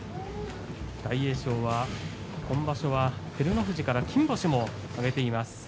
大栄翔はこの場所照ノ富士から金星を挙げています。